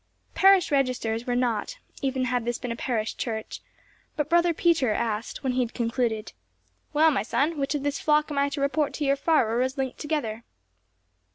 Parish registers were not, even had this been a parish church, but Brother Peter asked, when he had concluded, "Well, my son, which of his flock am I to report to your Pfarrer as linked together?"